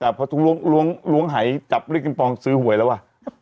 แต่ไม่ถูกหรอกเจ็ดเก้าแปดซื้อก่อนอะไรวะ